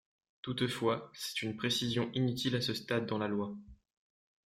Toutefois, c’est une précision inutile à ce stade dans la loi.